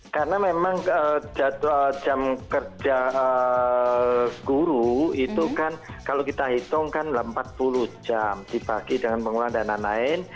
karena memang jam kerja guru itu kan kalau kita hitung kan empat puluh jam dibagi dengan pengulangan dana lain